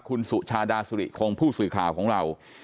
คุณสุชาดาสุริคงผู้สื่อข่าวของเรา